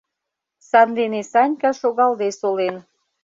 Сандене Санька шогалде солен.